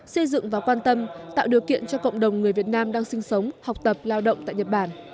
xây dựng và quan tâm tạo điều kiện cho cộng đồng người việt nam đang sinh sống học tập lao động tại nhật bản